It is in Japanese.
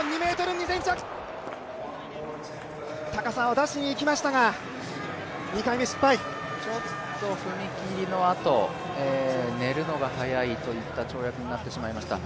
高さを出しにいきましたがちょっと踏み切りのあと寝るのが早いという跳躍になってしまいました。